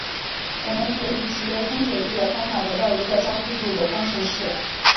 我们可以藉由分解力的方法得到一个加速度的方程式。